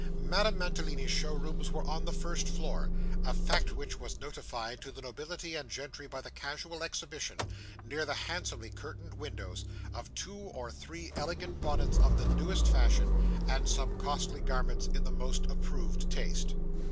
Madame Mantalini's shows rooms were on the first floor: a fact which was notified to the nobility and gentry by the casual exhibition, near the handsomely curtained windows, of two or three elegant bonnets of the newest fashion, and some costly garments in the most approved taste.